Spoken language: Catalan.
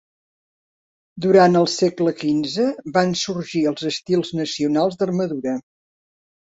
Durant el segle quinze, van sorgir els estils nacionals d'armadura.